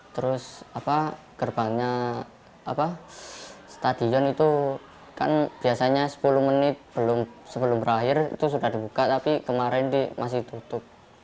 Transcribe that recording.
terus gerbangnya stadion itu kan biasanya sepuluh menit sebelum berakhir itu sudah dibuka tapi kemarin masih tutup